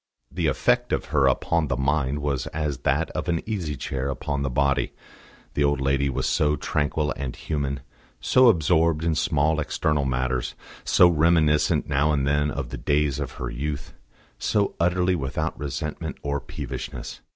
The effect of her upon the mind was as that of an easy chair upon the body. The old lady was so tranquil and human, so absorbed in small external matters, so reminiscent now and then of the days of her youth, so utterly without resentment or peevishness.